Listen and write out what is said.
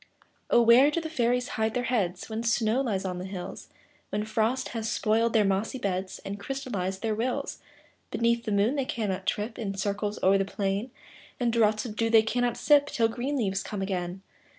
Oh ! where do fairies hide their heads, When snow lies on the hills, When frost has spoiled their mossy beds, And crystallized their rills? Beneath the moon they cannot trip In circles o'er the plain ; And draughts of dew they cannot sip, Till green leaves come again.